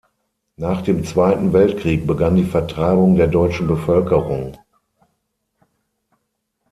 Nach dem Zweiten Weltkrieg begann die Vertreibung der deutschen Bevölkerung.